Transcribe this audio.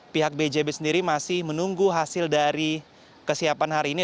saya sendiri masih menunggu hasil dari kesiapan hari ini